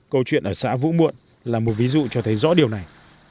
câu chuyện ở xã vũ muộn là một ví dụ cho thấy rõ điều này